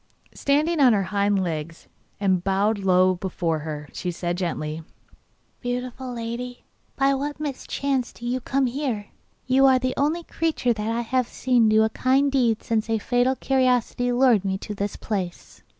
Standing on her hind legs, and bowing low before her, she said gently: 'Beautiful lady, by what mischance do you come here? You are the only creature that I have seen do a kind deed since a fatal curiosity lured me to this place.